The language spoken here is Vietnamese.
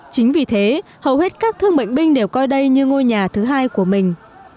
chính vì thế hầu hết các thương bệnh binh đều coi đây như ngôi nhà thứ hai của mình